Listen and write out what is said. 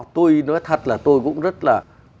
tôi nói thật là tôi cũng rất là